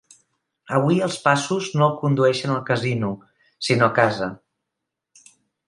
Avui els passos no el condueixen al casino, sinó a casa.